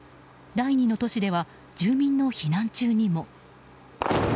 第２の都市では住民の避難中にも。